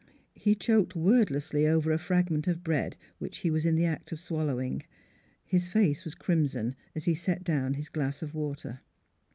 He choked wordlessly over a fragment of bread, which he was in the act of swallowing. His face was crimson as he set down his glass of water.